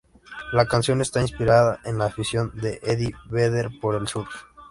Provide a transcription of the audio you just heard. La canción está inspirada en la afición de Eddie Vedder por el surf.